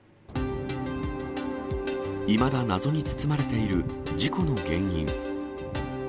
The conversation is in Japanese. いまだ謎に包まれている事故の原因。